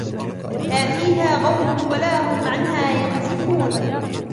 لا فيها غول ولا هم عنها ينزفون